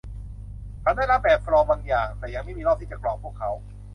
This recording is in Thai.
ฉันได้รับแบบฟอร์มบางอย่าง แต่ยังไม่มีรอบที่จะกรอกพวกเขา